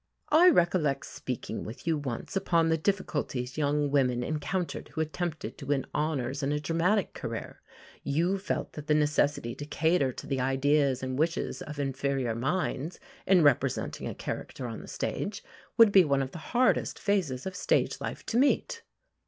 I recollect speaking with you once upon the difficulties young women encountered who attempted to win honours in a dramatic career. You felt that the necessity to cater to the ideas and wishes of inferior minds, in representing a character on the stage, would be one of the hardest phases of stage life to meet.